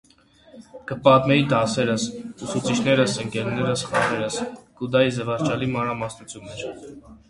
Կը պատմէի դասերէս, ուսուցիչներէս, ընկերներէս, խաղերէս ... կու տայի զուարճալի մանրամասնութիւններ։